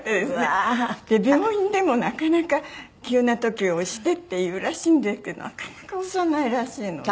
病院でもなかなか「急な時は押して」って言うらしいんですけどなかなか押さないらしいのね。